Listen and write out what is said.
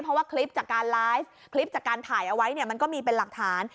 เพราะว่าคลิปจากการไลฟ์คลิปจากการถ่ายเอาไว้เนี่ยมันก็มีเป็นหลักฐาน